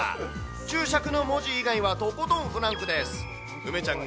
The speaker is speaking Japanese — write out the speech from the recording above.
注釈の文字以外は、とことんフランクです。